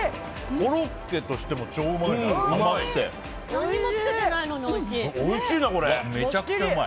コロッケとしても超うまい。